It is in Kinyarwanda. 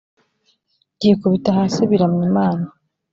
byikubita hasi biramya imana